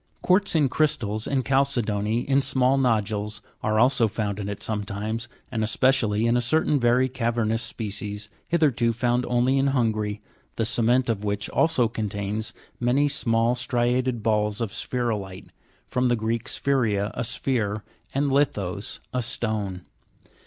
Gluartz in crystals , and chalcedony in small nodules are also found in it sometimes, and especially in a certain very cavernous species, hitherto found only in Hungary, the cement of which also contains many small striated balls of sphe'rolite (from the Greek spheira, a sphere, and lithas, a stone).